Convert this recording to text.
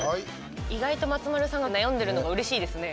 意外と松丸さんが悩んでるのがうれしいですね。